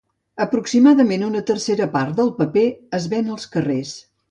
Aproximadament una tercera part del paper es ven als carrers.